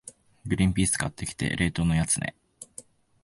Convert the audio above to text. グリンピース買ってきて、冷凍のやつね。